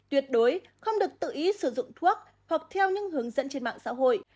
tuyệt đối không được tự ý sử dụng thuốc hoặc theo những hướng dẫn trên mạng xã hội